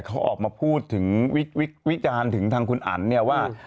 เขาออกมาพูดถึงวิจารณ์ถึงทางคุณอันเนี่ยว่า